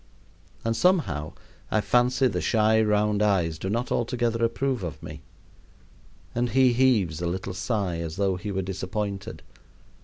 And some how I fancy the shy, round eyes do not altogether approve of me, and he heaves a little sigh, as though he were disappointed.